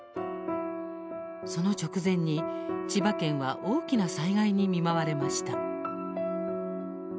その直前に、千葉県は大きな災害に見舞われました。